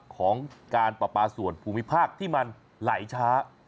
ของการปราปาส่วนภูมิภาคที่มันไหลช้า